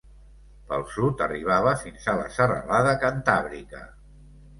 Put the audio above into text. Pel sud arribava fins a la serralada Cantàbrica.